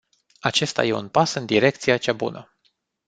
Acesta e un pas în direcția cea bună.